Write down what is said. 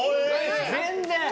全然！